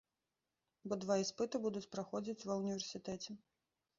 Бо два іспыты будуць праходзіць ва ўніверсітэце.